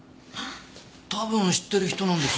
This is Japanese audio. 多分知ってる人なんですよ。